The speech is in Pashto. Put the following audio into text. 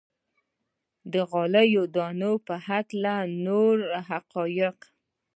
د غلو دانو په هکله نور حقایق.